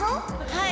はい。